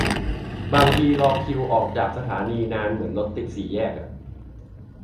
บางทีรอคิวออกจากสถานีนานเหมือนรถติดสี่แยกอะ